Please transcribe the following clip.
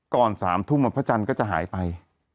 ก่อน๓ทุ่มอะพระจันทร์ก็จะหายไป